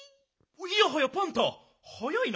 いやはやパンタ早いな。